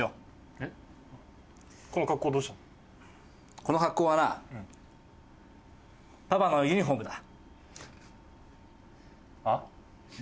この格好はなパパのユニホームだ。